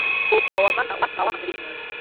Huk hawamanta wak hawaman riy.